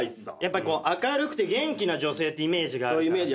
明るくて元気な女性ってイメージがあるからさ